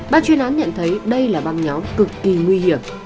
ban chuyên án nhận thấy đây là băng nhóm cực kỳ nguy hiểm